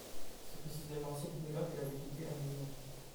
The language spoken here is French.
c'est précisément cette nuit-là qu'elle avait quitté la maison.